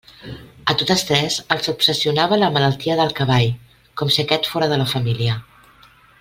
A totes tres els obsessionava la malaltia del cavall, com si aquest fóra de la família.